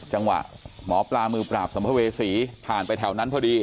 หมอปลามือปราบสมภเวษีทานไปแถวนั้นพอดี